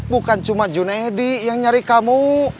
bukan cuma junaidi yang nyari kamu